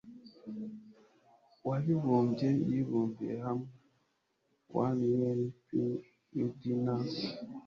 w abibumbye yibumbiye hamwe ONE UN PNUD na